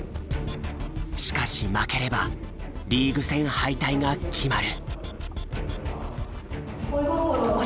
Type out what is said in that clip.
しかし負ければリーグ戦敗退が決まる。